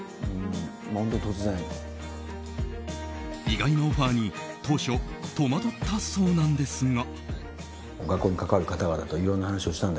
意外なオファーに当初戸惑ったそうなんですが。